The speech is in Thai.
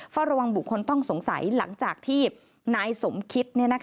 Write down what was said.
เฝ้าระวังบุคคลต้องสงสัยหลังจากที่นายสมคิต